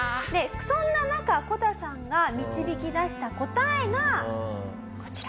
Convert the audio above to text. そんな中こたさんが導き出した答えがこちら。